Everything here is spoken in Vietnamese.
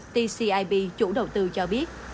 tcib chủ đầu tư cho bắc đông